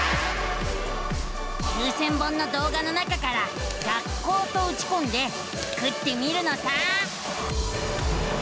９，０００本の動画の中から「学校」とうちこんでスクってみるのさ！